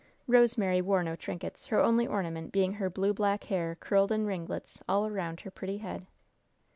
Rosemary wore no trinkets, her only ornament being her blue black hair curled in ringlets all around her pretty head.